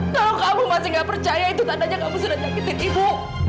kalau kamu masih nggak percaya itu tandanya kamu sudah nyakitin ibu